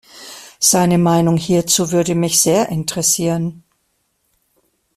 Seine Meinung hierzu würde mich sehr interessieren.